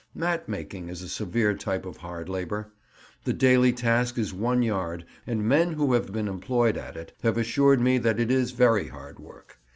Mat making is a severe type of hard labour. The daily task is one yard, and men who have been employed at it have assured me that it is very hard work.